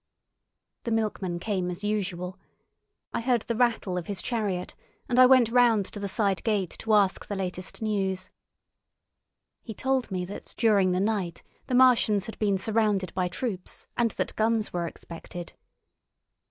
The milkman came as usual. I heard the rattle of his chariot and I went round to the side gate to ask the latest news. He told me that during the night the Martians had been surrounded by troops, and that guns were expected.